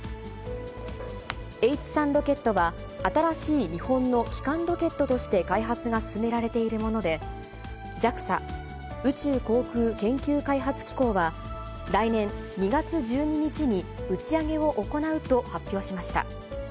Ｈ３ロケットは、新しい日本の基幹ロケットとして開発が進められているもので、ＪＡＸＡ・宇宙航空研究開発機構は、来年２月１２日に打ち上げを行うと発表しました。